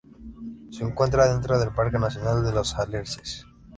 Se encuentra dentro del Parque Nacional Los Alerces.